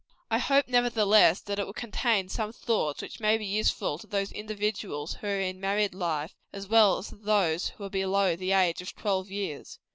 I hope, nevertheless, that it will contain some thoughts which may be useful to those individuals who are in married life, as well as to those who are below the age of twelve years.